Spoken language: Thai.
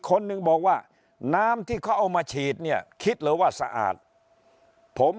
คนหนึ่งบอกว่าน้ำที่เขาเอามาฉีดเนี่ยคิดเลยว่าสะอาดผม